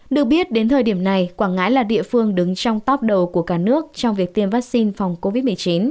được biết đến thời điểm này quảng ngãi là địa phương đứng trong top đầu của cả nước trong việc tiêm vaccine phòng covid một mươi chín